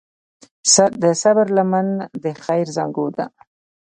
د صبر لمن د خیر زانګو ده.